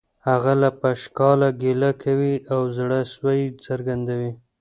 هغه له پشکاله ګیله کوي او زړه سوی څرګندوي